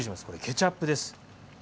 ケチャップです。